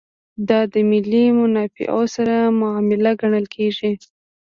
دا د ملي منافعو سره معامله ګڼل کېږي.